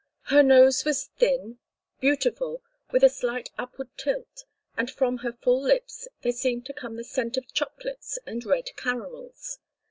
Her nose was thin, beautiful, with a slight upward tilt; and from her full lips there seemed to come the scent of chocolates and red caramels.